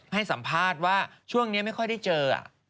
ให้สัมภาษณ์ว่าช่วงนี้ไม่ค่อยได้เจอ